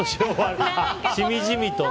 しみじみとね。